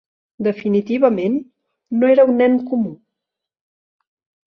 Definitivament, no era un nen comú.